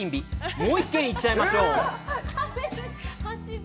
もう１軒、行っちゃいましょう！